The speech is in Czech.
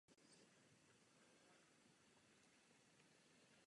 Závody bez české účasti.